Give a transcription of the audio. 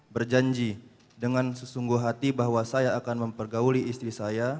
berjanji dengan sesungguh hati bahwa saya akan mempergauli istri saya